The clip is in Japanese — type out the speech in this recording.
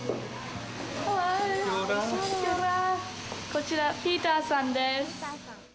こちら、ピーターさんです。